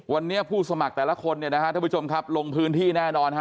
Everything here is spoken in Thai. วันนี้ผู้สมัครแต่ละคนจะครบลงพื้นที่แน่นอน